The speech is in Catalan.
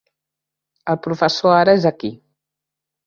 El professor ara és aquí.